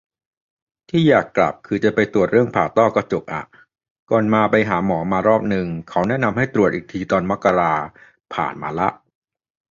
ที่อยากกลับคือจะไปตรวจเรื่องผ่าต้อกระจกอะ ก่อนมาไปหาหมอมารอบนึง เขาแนะนำให้ตรวจอีกทีตอนมกรา ผ่านมาละ